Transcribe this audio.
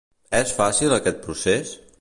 És fàcil aquest procés?